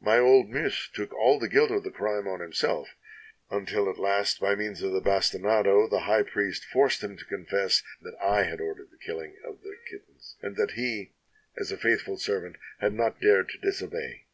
"My old Miis took all the guilt of the crime on him self, until at last, by means of the bastinado, the high priest forced him to confess that I had ordered the killing of the kittens, and that he, as a faithful servant, had not dared to disobey.